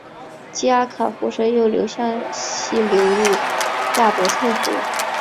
基阿卡湖水又向西流入亚伯特湖。